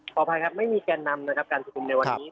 ขออภัยครับไม่มีแกนนำนะครับการชุมนุมในวันนี้